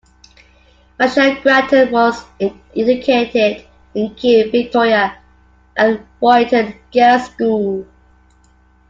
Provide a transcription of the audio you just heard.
Michelle Grattan was educated in Kew, Victoria at Ruyton Girls' School.